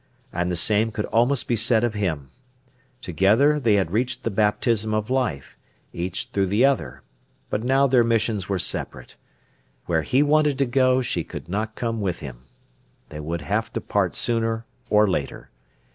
And the same could almost be said of him. Together they had received the baptism of life, each through the other; but now their missions were separate. Where he wanted to go she could not come with him. They would have to part sooner or later.